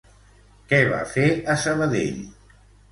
Què va fer a Sabadell?